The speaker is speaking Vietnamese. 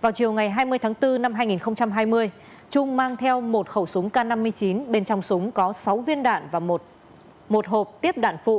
vào chiều ngày hai mươi tháng bốn năm hai nghìn hai mươi trung mang theo một khẩu súng k năm mươi chín bên trong súng có sáu viên đạn và một hộp tiếp đạn phụ